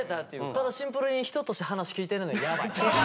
ただシンプルに人として話聞いてないのはやばい。